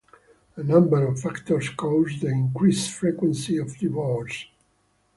A number of factors caused the increased frequency of divorce.